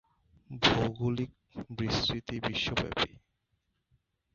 ভৌগোলিক বিস্তৃতি বিশ্বব্যাপী।